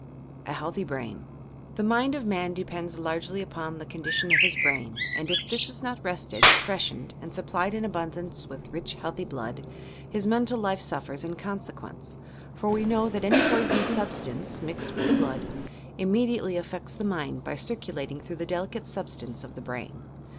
A HBAI.THY BRAIN The mind of man depends largely upon the condition of his brain and, if this is not rested, freshened and supplied in abundance with rich, healthy blood, hia mental life suffers in consequence, for we know that any poisonous substance, mixed with the blood, imm^ diately affects the mind by circulating through the deli cate substance of the brain.